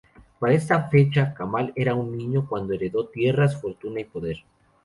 Para esa fecha, Kamal era aun un niño cuando heredó tierras, fortuna y poder.